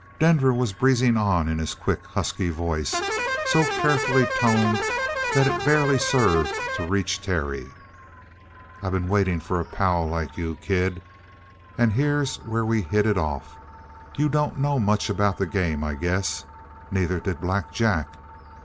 Denver was breezing on in his quick, husky voice, so carefully toned that it barely served to reach Terry. "I been waiting for a pal like you, kid. And here's where we hit it off. You don't know much about the game, I guess? Neither did Black Jack.